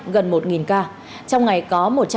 gần một ca trong ngày có